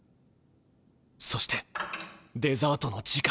そしてデザートの時間。